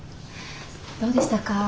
どうでしたか？